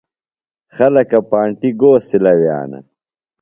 خلکہ پانٹیۡ گو سِلہ وِیانہ ؟